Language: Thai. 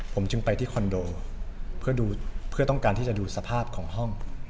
ผมจึงไปที่คอนโดเพื่อดูเพื่อต้องการที่จะดูสภาพของห้อง